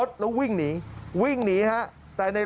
ตอนนี้ก็ยิ่งแล้ว